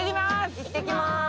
いってきます。